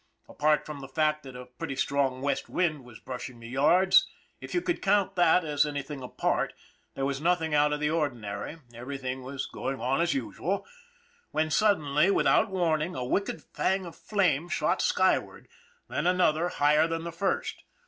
Apart from the fact that a pretty strong west wind was brushing the yards, if you could count that as anything apart, there was nothing out of the ordinary, everything was going on as usual, when, suddenly without warning, a wicked fang of flame shot skyward, then another higher than the first.